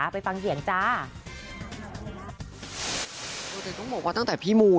ไปฟังเสียงจ้า